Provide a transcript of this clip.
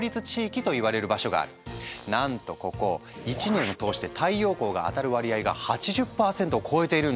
なんとここ１年を通して太陽光が当たる割合が８０％を超えているんだ。